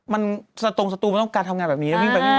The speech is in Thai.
มันตรงสตูมันต้องการทำงานแบบนี้มันต้องวิ่งไปวิ่งมาก